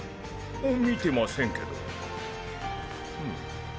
見てませんけど。